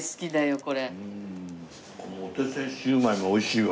このお手製シューマイも美味しいわ。